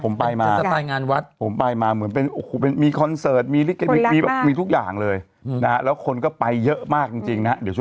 แม่ง่ายเธอก็ได้ใช่ไหมคุณเขาไม่รู้ด้วย